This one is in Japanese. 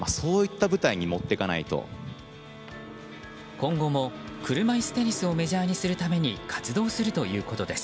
今後も、車いすテニスをメジャーにするために活動するということです。